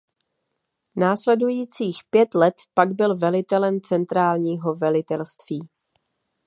Následujících pět let pak byl velitelem centrálního velitelství.